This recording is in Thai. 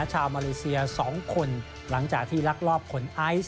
ชาวมาเลเซีย๒คนหลังจากที่ลักลอบขนไอซ์